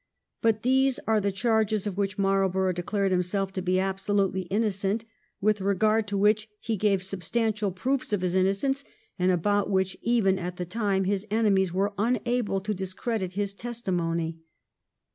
But these are the charges of which Marlborough declared himself to be absolutely innocent, with regard to which he gave substantial proofs of his innocence, and about which even at the time his enemies were unable to discredit his testi mony.